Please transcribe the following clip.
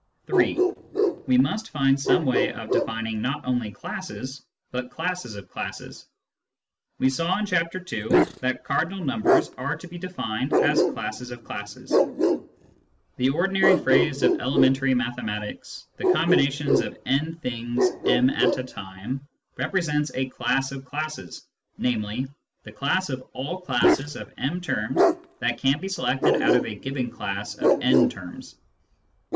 (3) We must find some way of defining not only classes, but classes of classes. We saw in Chapter II. that cardinal numbers are to be defined as classes of classes. The ordinary phrase of elementary mathematics, " The combinations of n things m at a time " represents a class of classes, namely, the class of all classes of m terms that can be selected out of a given class of n terms.